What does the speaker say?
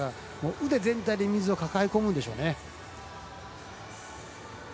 腕全体で水を抱え込むんでしょうね。